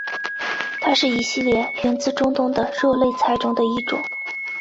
它是一系列源自中东的肉类菜中的一种。